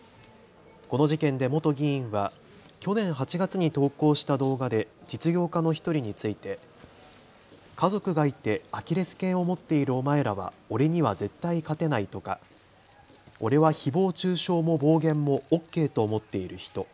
この事件で元議員は去年８月に投稿した動画で実業家の１人について家族がいてアキレスけんを持っているお前らは俺には絶対勝てないとか俺はひぼう中傷も暴言もＯＫと思っている人。